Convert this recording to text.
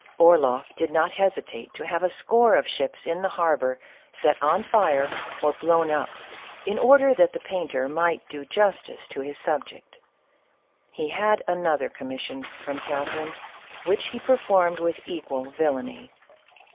Orloff did not hesitate to have a score of ships in the harbor set on fire or blown up, in order that the paiqter might do justice to his subject. He had another commission from Catherine which he performed with equal vil lainy.